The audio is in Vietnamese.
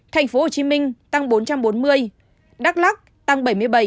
thành phố hồ chí minh tăng bốn trăm bốn mươi đắk lắc tăng bảy mươi bảy